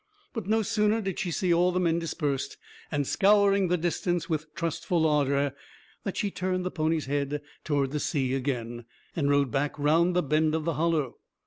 But no sooner did she see all the men dispersed, and scouring the distance with trustful ardor, than she turned the pony's head toward the sea again, and rode back round the bend of the hollow.